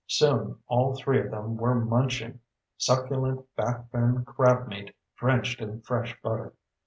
Soon all three of them were munching succulent back fin crab meat drenched in fresh butter.